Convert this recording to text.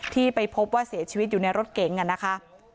ที่ไปพบว่าเสียชีวิตอยู่ในรถเก๋งนะคะ